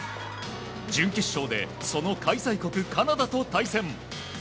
準決勝でその開催国カナダと対戦。